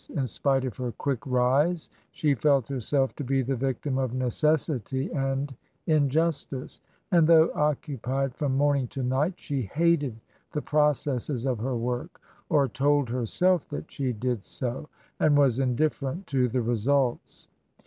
In spite of her quick rise, she felt herself to be the victim of necessity and injustice; and though occupied from morning to night, she hated the processes of her work — or told herself that she did so — and was indifferent to the results.